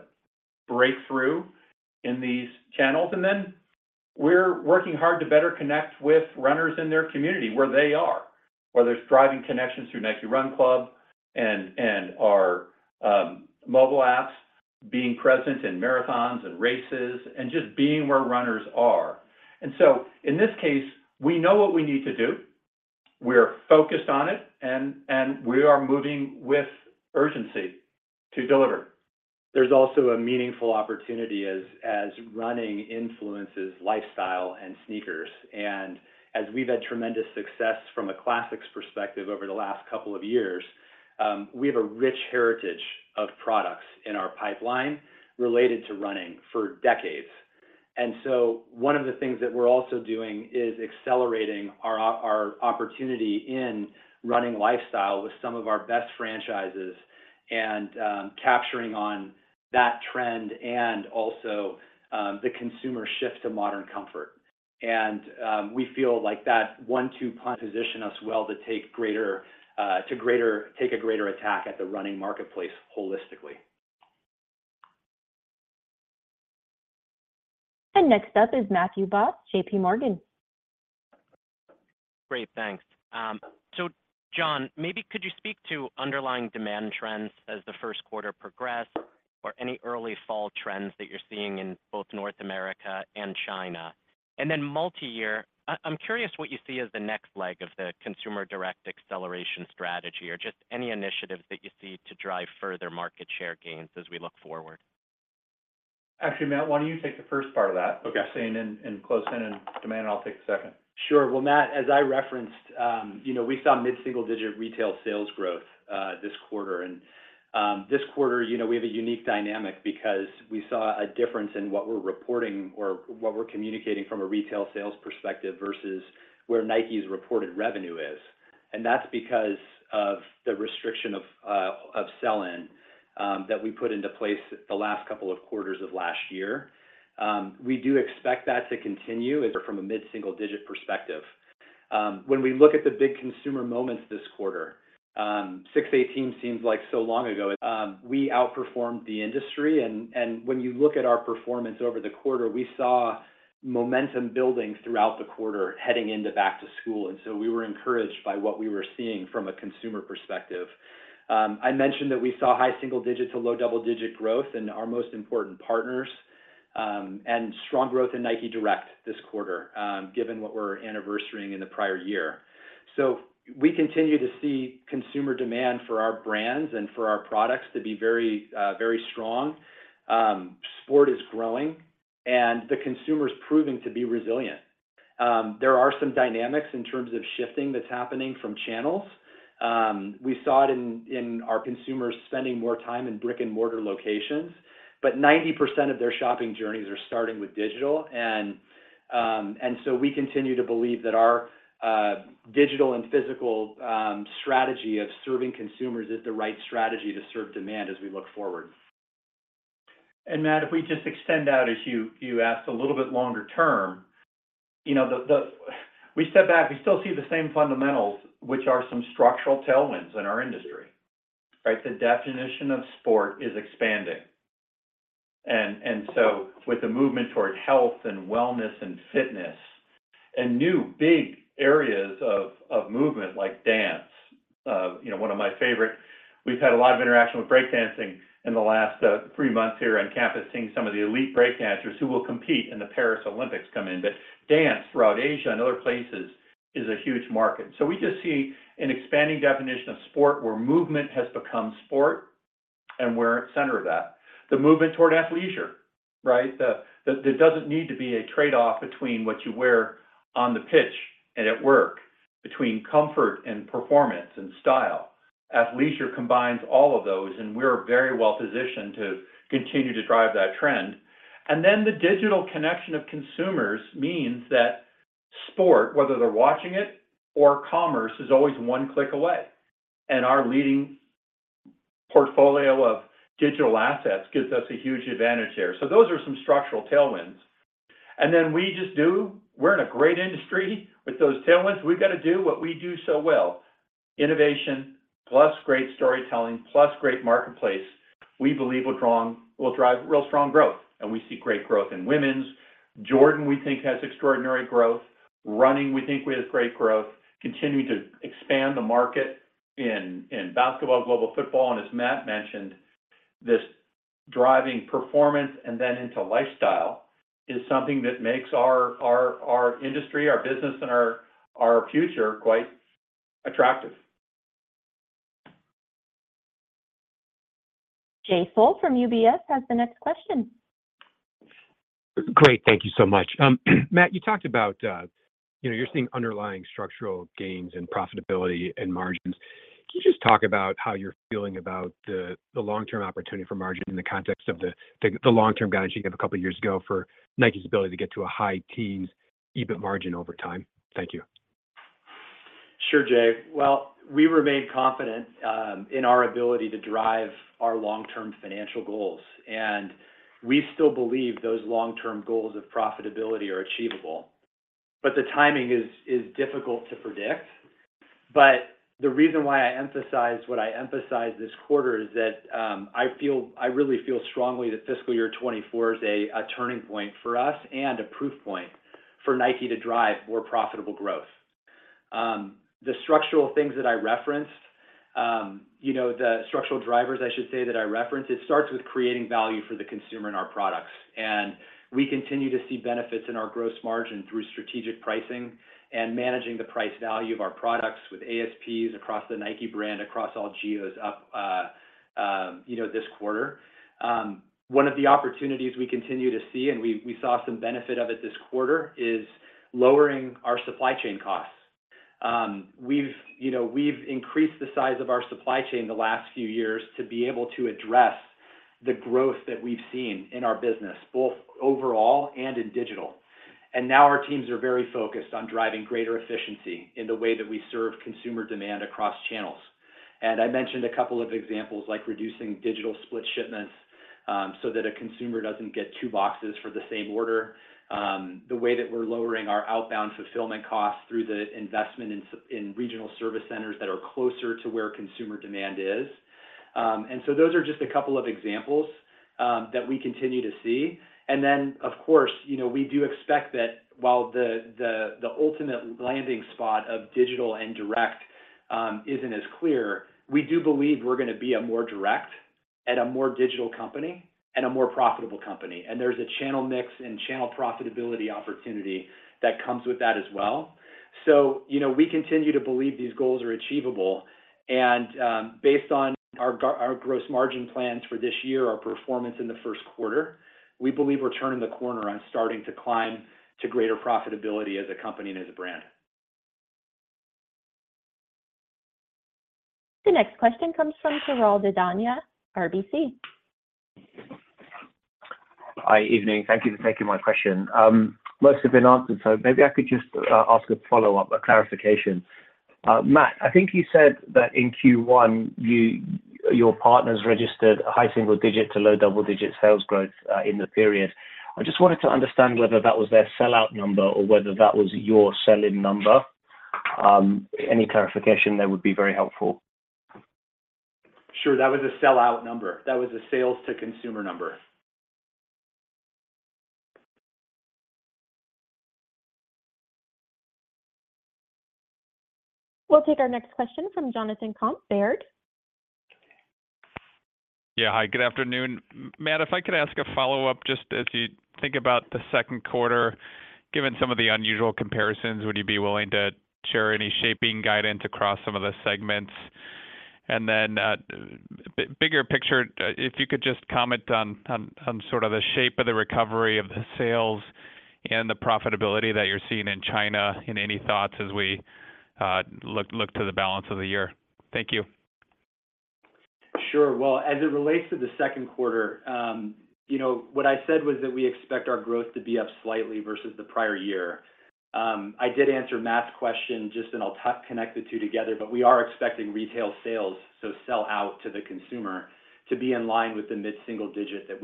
break through in these channels. And then we're working hard to better connect with runners in their community, where they are, whether it's driving connections through Nike Run Club and our mobile apps, being present in marathons and races, and just being where runners are. And so in this case, we know what we need to do. We're focused on it, and we are moving with urgency to deliver. There's also a meaningful opportunity as running influences lifestyle and sneakers. And as we've had tremendous success from a classics perspective over the last couple of years, we have a rich heritage of products in our pipeline related to running for decades. And so one of the things that we're also doing is accelerating our opportunity in running lifestyle with some of our best franchises and, capturing on that trend and also, the consumer shift to modern comfort. And, we feel like that one-two punch positions us well to take a greater attack at the running marketplace holistically. Next up is Matthew Boss, JPMorgan. Great, thanks. So John, maybe could you speak to underlying demand trends as the first quarter progressed, or any early fall trends that you're seeing in both North America and China? And then multiyear, I'm curious what you see as the next leg of the consumer direct acceleration strategy, or just any initiatives that you see to drive further market share gains as we look forward. Actually, Matt, why don't you take the first part of that- Okay.... staying in close, in demand, and I'll take the second. Sure. Well, Matt, as I referenced, you know, we saw mid-single-digit retail sales growth this quarter. And this quarter, you know, we have a unique dynamic because we saw a difference in what we're reporting or what we're communicating from a retail sales perspective versus where NIKE's reported revenue is. And that's because of the restriction of sell-in that we put into place the last couple of quarters of last year. We do expect that to continue as from a mid-single digit perspective. When we look at the big consumer moments this quarter, 6/18 seems like so long ago. We outperformed the industry, and when you look at our performance over the quarter, we saw momentum building throughout the quarter, heading into back to school, and so we were encouraged by what we were seeing from a consumer perspective. I mentioned that we saw high single digit to low double-digit growth in our most important partners, and strong growth Nike Direct this quarter, given what we're anniversarying in the prior year. So we continue to see consumer demand for our brands and for our products to be very, very strong. Sport is growing, and the consumer is proving to be resilient. There are some dynamics in terms of shifting that's happening from channels. We saw it in our consumers spending more time in brick-and-mortar locations, but 90% of their shopping journeys are starting with digital. And so we continue to believe that our digital and physical strategy of serving consumers is the right strategy to serve demand as we look forward. And Matt, if we just extend out, as you asked, a little bit longer term, you know, we step back, we still see the same fundamentals, which are some structural tailwinds in our industry, right? The definition of sport is expanding. So with the movement towards health and wellness and fitness and new big areas of movement, like dance, you know, one of my favorite, we've had a lot of interaction with breakdancing in the last three months here on campus, seeing some of the elite breakdancers who will compete in the Paris Olympics come in. But dance throughout Asia and other places is a huge market. So we just see an expanding definition of sport, where movement has become sport, and we're at center of that. The movement toward athleisure, right? There doesn't need to be a trade-off between what you wear on the pitch and at work, between comfort and performance and style. Athleisure combines all of those, and we're very well positioned to continue to drive that trend. And then the digital connection of consumers means that sport, whether they're watching it or commerce, is always one click away, and our leading portfolio of digital assets gives us a huge advantage there. So those are some structural tailwinds. And then we just do. We're in a great industry with those tailwinds. We've got to do what we do so well: innovation, plus great storytelling, plus great marketplace. We believe will drive real strong growth, and we see great growth in women's. Jordan, we think, has extraordinary growth. Running, we think we have great growth. Continuing to expand the market in basketball, global football, and as Matt mentioned, this driving performance and then into lifestyle is something that makes our industry, our business, and our future quite attractive. Jay Sole from UBS has the next question. Great. Thank you so much. Matt, you talked about, you know, you're seeing underlying structural gains in profitability and margins. Can you just talk about how you're feeling about the long-term opportunity for margin in the context of the long-term guidance you gave a couple of years ago for NIKE's ability to get to a high teens EBIT margin over time? Thank you. Sure, Jay. Well, we remain confident in our ability to drive our long-term financial goals, and we still believe those long-term goals of profitability are achievable. But the timing is difficult to predict. But the reason why I emphasize what I emphasized this quarter is that I feel - I really feel strongly that fiscal year 2024 is a turning point for us and a proof point for NIKE to drive more profitable growth. The structural things that I referenced, you know, the structural drivers, I should say, that I referenced, it starts with creating value for the consumer in our products. And we continue to see benefits in our gross margin through strategic pricing and managing the price value of our products with ASPs across the NIKE brand, across all geos up, you know, this quarter. One of the opportunities we continue to see, and we, we saw some benefit of it this quarter, is lowering our supply chain costs. We've, you know, we've increased the size of our supply chain the last few years to be able to address the growth that we've seen in our business, both overall and in digital. And now our teams are very focused on driving greater efficiency in the way that we serve consumer demand across channels. And I mentioned a couple of examples, like reducing digital split shipments, so that a consumer doesn't get two boxes for the same order. The way that we're lowering our outbound fulfillment costs through the investment in regional service centers that are closer to where consumer demand is. And so those are just a couple of examples that we continue to see. Then, of course, you know, we do expect that while the ultimate landing spot of digital and direct isn't as clear, we do believe we're gonna be a more direct and a more digital company and a more profitable company. And there's a channel mix and channel profitability opportunity that comes with that as well. So, you know, we continue to believe these goals are achievable, and based on our gross margin plans for this year, our performance in the first quarter, we believe we're turning the corner and starting to climb to greater profitability as a company and as a brand. The next question comes from Piral Dadhania, RBC. Hi, evening. Thank you for taking my question. Most have been answered, so maybe I could just ask a follow-up, a clarification. Matt, I think you said that in Q1, your partners registered a high single digit to low double-digit sales growth, in the period. I just wanted to understand whether that was their sellout number or whether that was your sell-in number. Any clarification there would be very helpful. Sure, that was a sellout number. That was a sales to consumer number. We'll take our next question from Jonathan Komp, Baird. Yeah. Hi, good afternoon. Matt, if I could ask a follow-up, just as you think about the second quarter, given some of the unusual comparisons, would you be willing to share any shaping guidance across some of the segments? And then, bigger picture, if you could just comment on sort of the shape of the recovery of the sales and the profitability that you're seeing in China, and any thoughts as we look to the balance of the year. Thank you. Sure. Well, as it relates to the second quarter, you know, what I said was that we expect our growth to be up slightly versus the prior year. I did answer Matt's question, just, and I'll connect the two together, but we are expecting retail sales, so sell out to the consumer, to be in line with the mid single digit that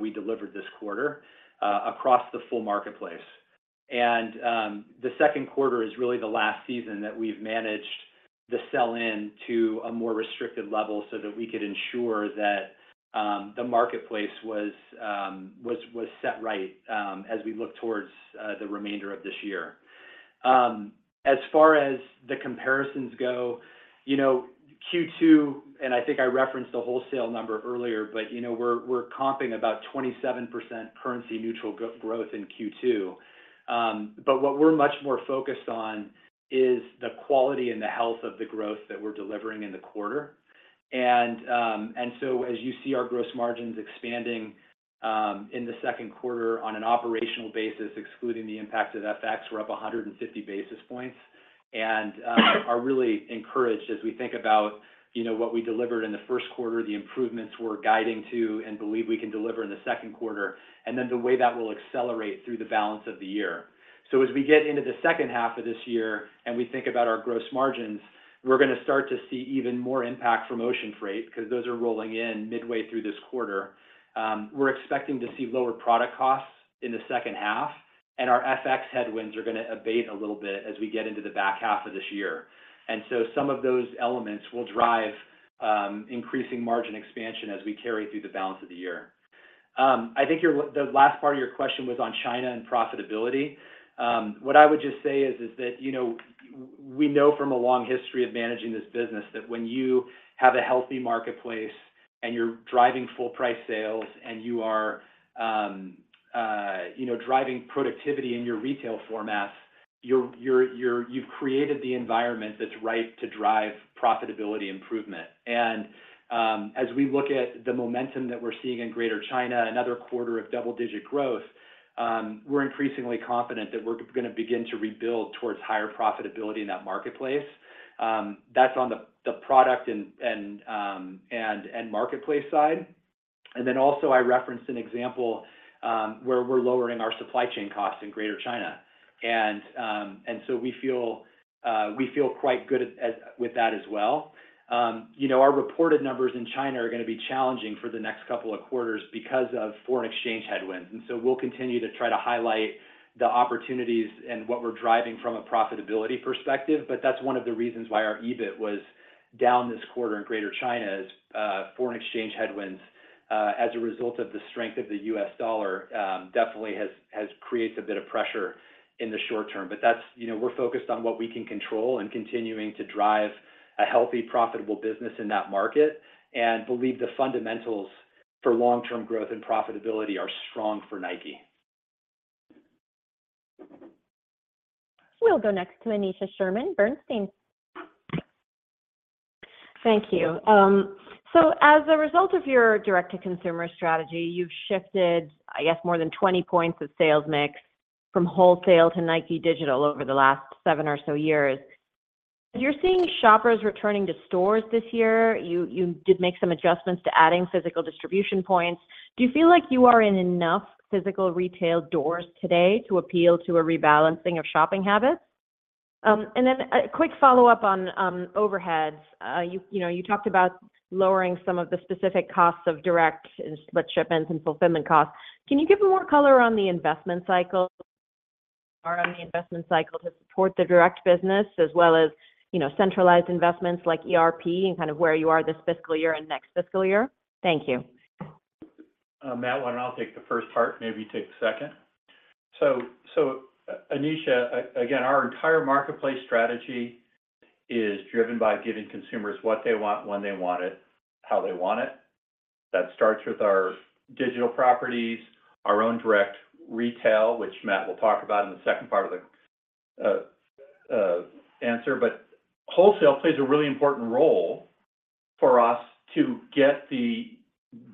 we delivered this quarter, across the full marketplace. And, the second quarter is really the last season that we've managed the sell-in to a more restricted level, so that we could ensure that the marketplace was set right, as we look towards the remainder of this year. As far as the comparisons go, you know, Q2, and I think I referenced the wholesale number earlier, but, you know, we're, we're comping about 27% currency neutral growth in Q2. But what we're much more focused on is the quality and the health of the growth that we're delivering in the quarter. And, and so as you see our gross margins expanding, in the second quarter on an operational basis, excluding the impact of FX, we're up 150 basis points, and, are really encouraged as we think about, you know, what we delivered in the first quarter, the improvements we're guiding to, and believe we can deliver in the second quarter, and then the way that will accelerate through the balance of the year. So as we get into the second half of this year and we think about our gross margins, we're gonna start to see even more impact from ocean freight, because those are rolling in midway through this quarter. We're expecting to see lower product costs in the second half, and our FX headwinds are gonna abate a little bit as we get into the back half of this year. And so some of those elements will drive increasing margin expansion as we carry through the balance of the year. I think your, the last part of your question was on China and profitability. What I would just say is that, you know, we know from a long history of managing this business, that when you have a healthy marketplace and you're driving full price sales, and you are, you know, driving productivity in your retail formats, you've created the environment that's right to drive profitability improvement. And, as we look at the momentum that we're seeing in Greater China, another quarter of double-digit growth, we're increasingly confident that we're gonna begin to rebuild towards higher profitability in that marketplace. That's on the product and marketplace side. And then also I referenced an example, where we're lowering our supply chain costs in Greater China. And so we feel quite good with that as well. You know, our reported numbers in China are gonna be challenging for the next couple of quarters because of foreign exchange headwinds. And so we'll continue to try to highlight the opportunities and what we're driving from a profitability perspective, but that's one of the reasons why our EBIT was down this quarter in Greater China is, foreign exchange headwinds. As a result of the strength of the U.S. dollar, definitely has, has created a bit of pressure in the short term. But that's, you know, we're focused on what we can control and continuing to drive a healthy, profitable business in that market, and believe the fundamentals for long-term growth and profitability are strong for NIKE. We'll go next to Aneesha Sherman, Bernstein. Thank you. So as a result of your direct-to-consumer strategy, you've shifted, I guess, more than 20 points of sales mix from wholesale to Nike Digital over the last seven or so years. You're seeing shoppers returning to stores this year. You did make some adjustments to adding physical distribution points. Do you feel like you are in enough physical retail doors today to appeal to a rebalancing of shopping habits? And then a quick follow-up on overheads. You know, you talked about lowering some of the specific costs of direct and split ship-ins and fulfillment costs. Can you give me more color on the investment cycle, or on the investment cycle to support the direct business, as well as, you know, centralized investments like ERP and kind of where you are this fiscal year and next fiscal year? Thank you. Matt, why don't I'll take the first part, maybe you take the second. Aneesha, again, our entire marketplace strategy is driven by giving consumers what they want, when they want it, how they want it. That starts with our digital properties, our own direct retail, which Matt will talk about in the second part of the answer. But wholesale plays a really important role for us to get the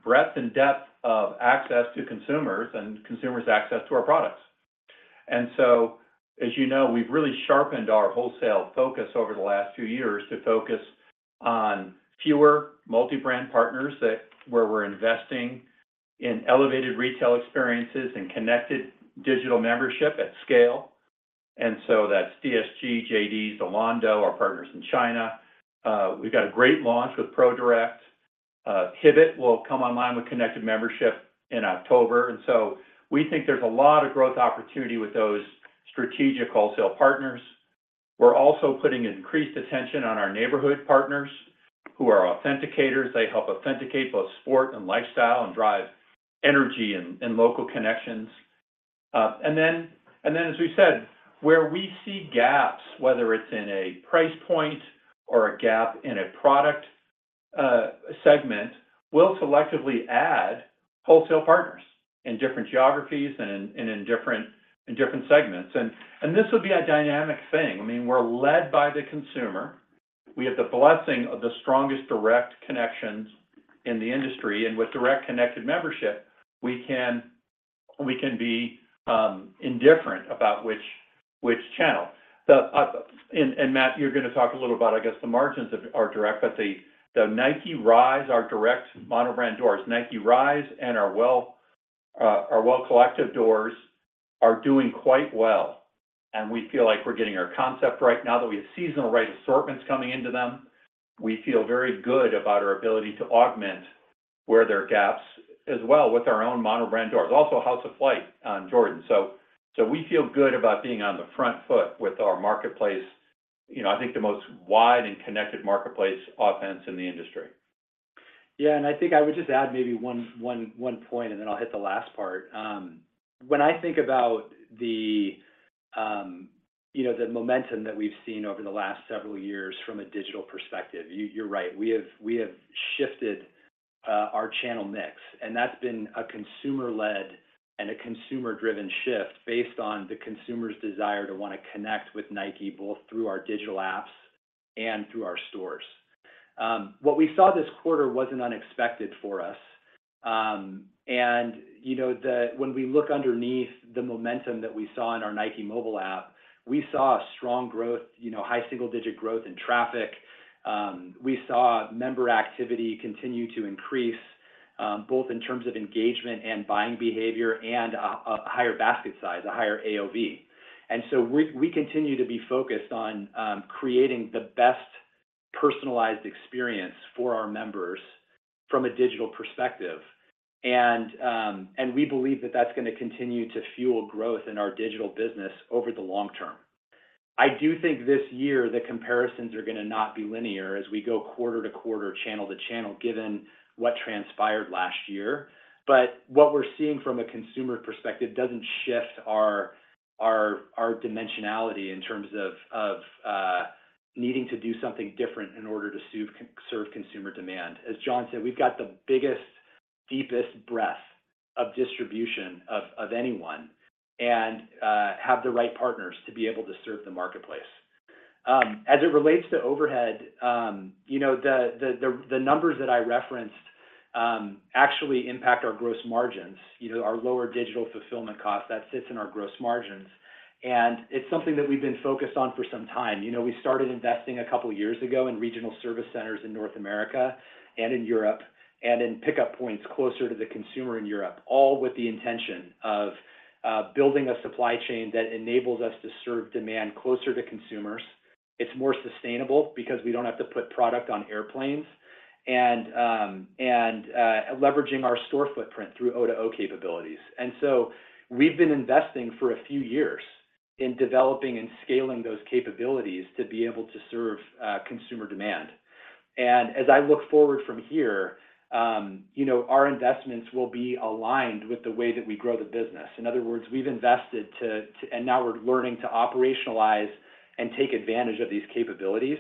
breadth and depth of access to consumers and consumers' access to our products. And so, as you know, we've really sharpened our wholesale focus over the last few years to focus on fewer multi-brand partners, that where we're investing in elevated retail experiences and connected digital membership at scale. And so that's DSG, JD, Zalando, our partners in China. We've got a great launch with ProDirect. Pivot will come online with connected membership in October, and so we think there's a lot of growth opportunity with those strategic wholesale partners. We're also putting increased attention on our neighborhood partners, who are authenticators. They help authenticate both sport and lifestyle and drive energy and local connections. And then, as we said, where we see gaps, whether it's in a price point or a gap in a product segment, we'll selectively add wholesale partners in different geographies and in different segments. And this would be a dynamic thing. I mean, we're led by the consumer. We have the blessing of the strongest direct connections in the industry, and with direct connected membership, we can be indifferent about which channel. The... And Matt, you're going to talk a little about, I guess, the margins of our direct, but the Nike Rise, our Direct mono brand doors, Nike Rise and our Well Collective doors are doing quite well, and we feel like we're getting our concept right. Now that we have seasonal right assortments coming into them, we feel very good about our ability to augment where there are gaps, as well with our own mono brand doors. Also, House of Flight on Jordan. So we feel good about being on the front foot with our marketplace, you know, I think the most wide and connected marketplace offense in the industry. Yeah, and I think I would just add maybe one point, and then I'll hit the last part. When I think about the, you know, the momentum that we've seen over the last several years from a digital perspective, you're right. We have shifted our channel mix, and that's been a consumer-led and a consumer-driven shift based on the consumer's desire to want to connect with NIKE, both through our digital apps and through our stores. What we saw this quarter wasn't unexpected for us. And, you know, when we look underneath the momentum that we saw in our Nike mobile app, we saw a strong growth, you know, high single-digit growth in traffic. We saw member activity continue to increase, both in terms of engagement and buying behavior, and a higher basket size, a higher AOV. And so we continue to be focused on creating the best personalized experience for our members from a digital perspective. And we believe that that's going to continue to fuel growth in our digital business over the long term. I do think this year, the comparisons are going to not be linear as we go quarter to quarter, channel to channel, given what transpired last year. But what we're seeing from a consumer perspective doesn't shift our dimensionality in terms of needing to do something different in order to serve consumer demand. As John said, we've got the biggest, deepest breadth of distribution of anyone, and have the right partners to be able to serve the marketplace. As it relates to overhead, you know, the numbers that I referenced actually impact our gross margins. You know, our lower digital fulfillment cost, that sits in our gross margins, and it's something that we've been focused on for some time. You know, we started investing a couple of years ago in regional service centers in North America and in Europe, and in pickup points closer to the consumer in Europe, all with the intention of building a supply chain that enables us to serve demand closer to consumers. It's more sustainable because we don't have to put product on airplanes, and leveraging our store footprint through O2O capabilities. And so we've been investing for a few years in developing and scaling those capabilities to be able to serve consumer demand. As I look forward from here, you know, our investments will be aligned with the way that we grow the business. In other words, we've invested, and now we're learning to operationalize and take advantage of these capabilities.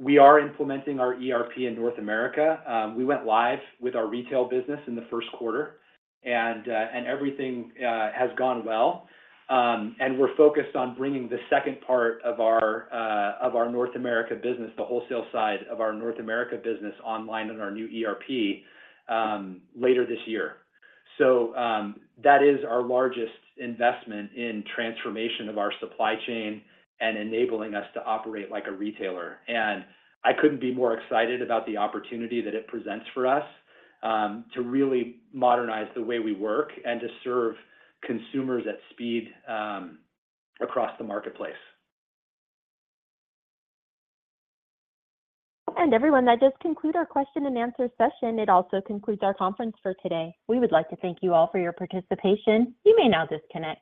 We are implementing our ERP in North America. We went live with our retail business in the first quarter, and everything has gone well. And we're focused on bringing the second part of our North America business, the wholesale side of our North America business, online and our new ERP later this year. That is our largest investment in transformation of our supply chain and enabling us to operate like a retailer. I couldn't be more excited about the opportunity that it presents for us to really modernize the way we work and to serve consumers at speed across the marketplace. Everyone, that does conclude our question and answer session. It also concludes our conference for today. We would like to thank you all for your participation. You may now disconnect.